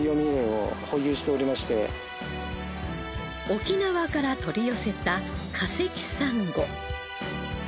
沖縄から取り寄せた化石サンゴ。